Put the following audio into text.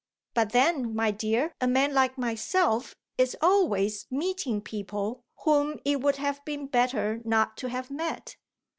"But then, my dear, a man like myself is always meeting people whom it would have been better not to have met.